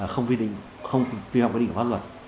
không viên hoạt quyết định của pháp luật